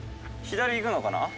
左いくのかな？